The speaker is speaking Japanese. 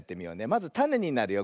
まずたねになるよ。